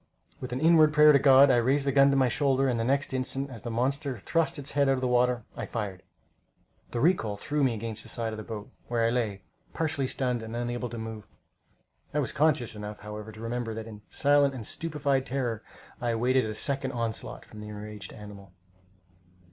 With an inward prayer to God, I raised the gun to my shoulder, and the next instant, as the monster thrust its head out of the water, I fired. The recoil threw me against the side of the boat, where I lay, partially stunned and unable to move. I was conscious enough, however, to remember, and in silent, stupefied terror I awaited a second onslaught from the enraged animal.